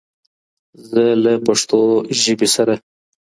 زه له پښتو ژبې سره